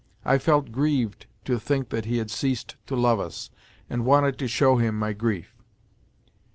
I felt grieved to think that he had ceased to love us and wanted to show him my grief.